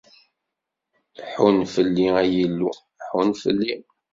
Ḥunn fell-i, ay Illu, ḥunn fell-i!